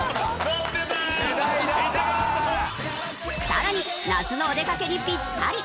さらに夏のお出かけにピッタリ！